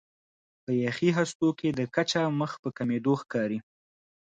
په یخي هستو کې د کچه مخ په کمېدو ښکاري.